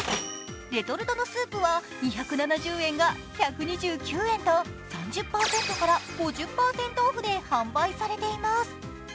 レトルトのスープは２７０円が１２９円と３０％から５０％オフで販売されています。